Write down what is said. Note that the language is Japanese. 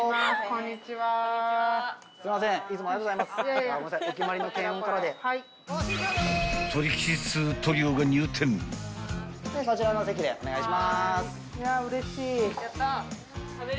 こちらのお席でお願いします。